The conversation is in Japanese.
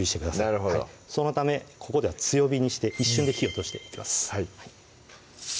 なるほどそのためここでは強火にして一瞬で火を通していきます